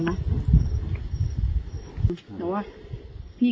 นี่นะครับให้เจ้าหน้าที่